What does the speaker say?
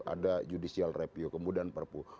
ada judicial review kemudian perpu